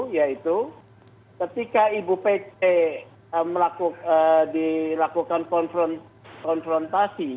yaitu ketika ibu pc dilakukan konfrontasi